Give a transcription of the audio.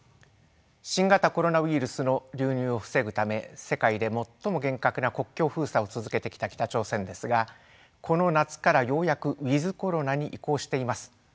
新型コロナウイルスの流入を防ぐため世界で最も厳格な国境封鎖を続けてきた北朝鮮ですがこの夏からようやくウィズコロナに移行しています。